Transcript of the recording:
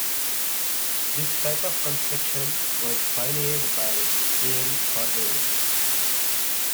This type of construction was pioneered by Yale Cordage.